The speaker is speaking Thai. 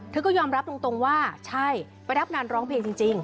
ก็ยอมรับตรงว่าใช่ไปรับงานร้องเพลงจริง